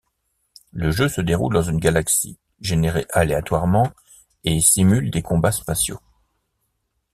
Le jeu se déroule dans une galaxie générée aléatoirement et simule des combats spatiaux.